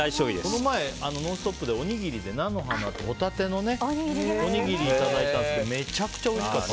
この前、「ノンストップ！」で菜の花とホタテのおにぎりをいただいたんですけどめちゃめちゃおいしかった。